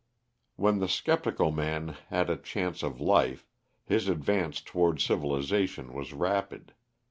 When the sceptical man had a chance of life, his advance towards civilisation was rapid.